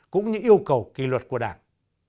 cũng như yêu cầu kỳ luật của đảng